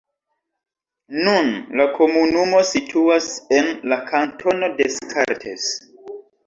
Nun, la komunumo situas en la kantono Descartes.